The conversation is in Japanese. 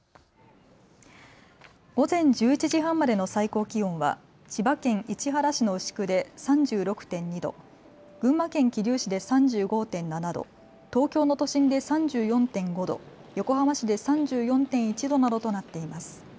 午前１１時半までの最高気温は千葉県市原市の牛久で３６．２度、群馬県桐生市で３５．７度、東京の都心で３４．５度、横浜市で３４．１度などとなっています。